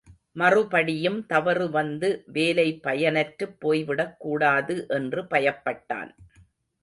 மறுபடியும் தவறு வந்து வேலை பயனற்றுப் போய்விடக் கூடாது என்று பயப்பட்டான்.